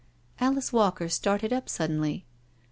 Alice Walker started up suddenly.